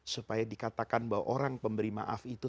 supaya dikatakan bahwa orang pemberi maaf itu